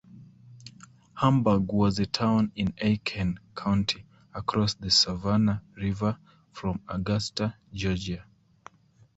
Hamburg was a town in Aiken County, across the Savannah River from Augusta, Georgia.